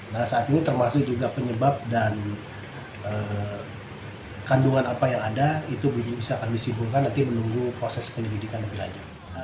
nah saat ini termasuk juga penyebab dan kandungan apa yang ada itu bisa akan disimpulkan nanti menunggu proses penyelidikan lebih lanjut